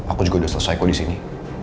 aku juga udah selesai kondisi ini